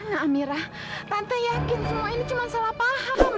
nah amirah tante yakin semua ini cuma salah paham